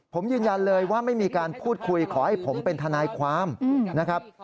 ผมยืนยันเลยว่าไม่มีการพูดคุยขอให้ผมเป็นทนายความนะครับ